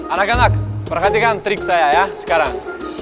anak anak perhatikan trik saya ya sekarang